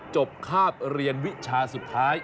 คาบเรียนวิชาสุดท้าย